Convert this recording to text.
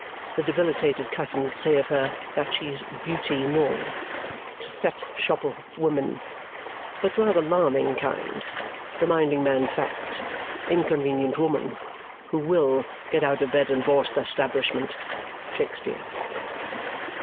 The debilitated cousin says of her that she's beauty nough tsetup shopofwomen but rather larming kind remindingmanfact inconvenient woman who WILL getoutofbedandbawthstahlishment Shakespeare.